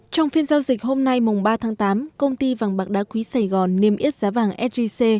trong phiên giao dịch hôm nay mùng ba tháng tám công ty vàng bạc đá quý sài gòn niêm yết giá vàng sgc